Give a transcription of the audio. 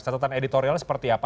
catatan editorialnya seperti apa